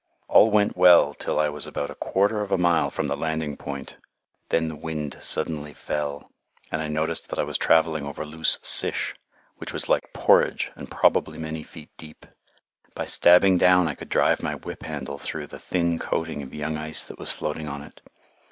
All went well till I was about a quarter of a mile from the landing point. Then the wind suddenly fell, and I noticed that I was travelling over loose "sish," which was like porridge and probably many feet deep. By stabbing down, I could drive my whip handle through the thin coating of young ice that was floating on it.